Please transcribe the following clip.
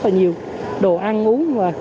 và rất là nhiều đồ ăn uống